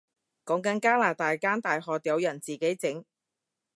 講緊加拿大間大學有人自己整